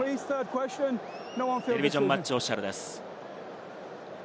テレビジョン・マッチ・オフィシャルです。